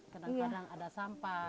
kadang kadang ada sampah